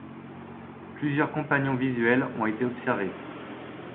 Plusieurs compagnons visuels ont été observés.